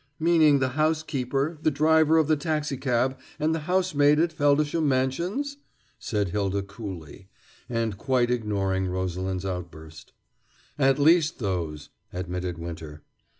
"Meaning the housekeeper, the driver of the taxicab, and the housemaid at Feldisham Mansions?" said Hylda coolly, and quite ignoring Rosalind's outburst. "At least those," admitted Winter.